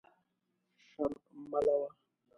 شر ملوه.